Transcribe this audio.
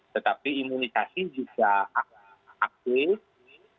tetapi imunisasi juga bisa diberikan kepada orang yang sakit